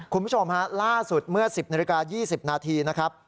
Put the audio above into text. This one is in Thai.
คุณผู้ชมฮะล่าสุดเมื่อ๑๐นาฬิกา๒๐นาทีนะครับ